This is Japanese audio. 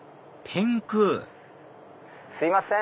すいません。